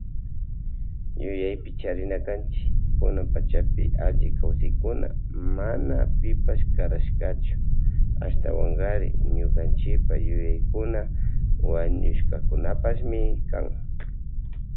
Yuyapi charina kanchi kunan pachapi alli kawsaykunaka mana pipash karashkachu, ashtawankari ñukanchipa yayakuna wañushkakunapashmi kan.